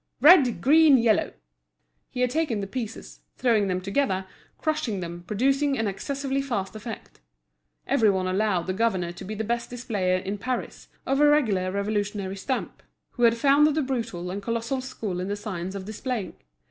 red, green, yellow." He had taken the pieces, throwing them together, crushing them, producing an excessively fast effect. Every one allowed the governor to be the best displayer in Paris, of a regular revolutionary stamp, who had founded the brutal and colossal school in the science of displaying.